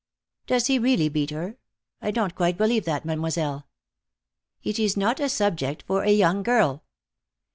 "Does he really beat her? I don't quite believe that, Mademoiselle." "It is not a subject for a young girl."